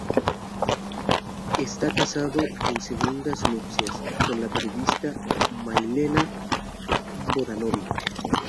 Está casado en segundas nupcias con la periodista Milena Vodanovic.